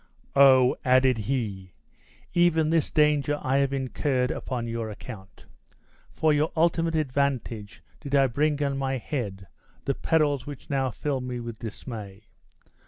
"Oh!" added he, "even this danger I have incurred upon your account! For your ultimate advantage did I bring on my head the perils which now fill me with dismay!